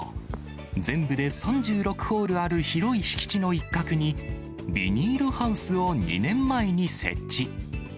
全部で３６ホールある広い敷地の一角に、ビニールハウスを２年前に設置。